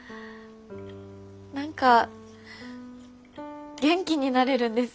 何か元気になれるんです。